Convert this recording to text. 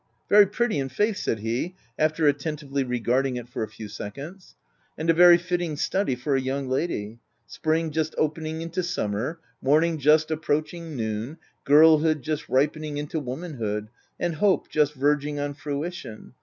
"Very pretty, i'faith !" said he, after at tentively regarding it for a few seconds —" and a very fitting study for a young lady — Spring just opening into summer — morning just ap proaching noon — girlhood just ripening into womanhood — and hope just verging on fruition.